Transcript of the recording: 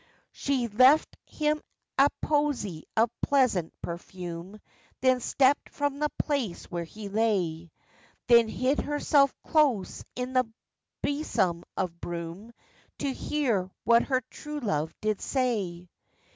She left him a posie of pleasant perfume, Then stepped from the place where he lay, Then hid herself close in the besom of broom, To hear what her true love did say.